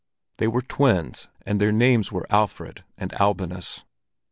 They were twins, and their names were Alfred and Albinus.